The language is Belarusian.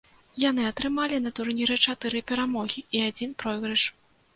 Яны атрымалі на турніры чатыры перамогі і адзін пройгрыш.